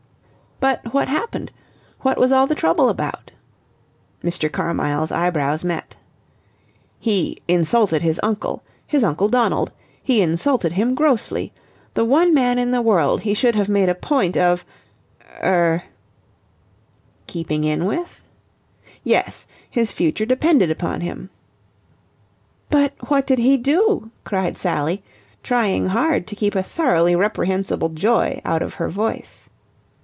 "But what happened? What was all the trouble about?" Mr. Carmyle's eyebrows met. "He insulted his uncle. His uncle Donald. He insulted him grossly. The one man in the world he should have made a point of er " "Keeping in with?" "Yes. His future depended upon him." "But what did he do?" cried Sally, trying hard to keep a thoroughly reprehensible joy out of her voice.